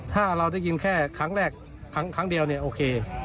ถ้าเราได้ยินแค่ครั้งแรกครั้งเดียวเนี่ยโอเค